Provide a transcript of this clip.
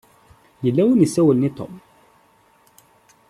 Yella win i s-isawlen i Tom.